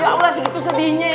ya allah segitu sedihnya